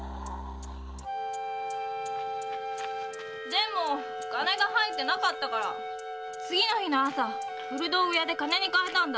でも金が入ってなかったから次の日の朝古道具屋で金に換えたんだ。